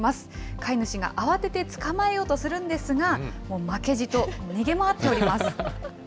飼い主が慌てて捕まえようとするんですが、負けじと逃げ回っております。